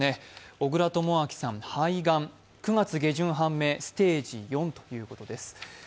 小倉智昭さん、肺がんということで９月下旬判明、ステージ４ということです。